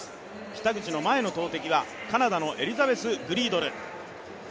北口の前の投てきはカナダのエリザベス・グリードル。